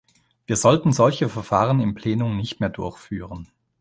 Wir sollten solche Verfahren im Plenum nicht mehr durchführen!